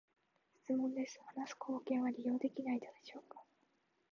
質問です、話す貢献は利用できないのでしょうか？